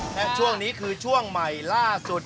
และช่วงนี้คือช่วงใหม่ล่าสุด